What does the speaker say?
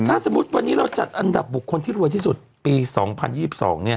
ถ้าสมมุติวันนี้เราจัดอันดับบุคคลที่รวยที่สุดปี๒๐๒๒เนี่ย